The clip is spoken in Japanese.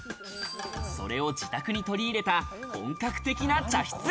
それを自宅に取り入れた本格的な茶室。